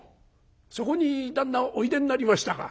そこに旦那おいでになりましたか。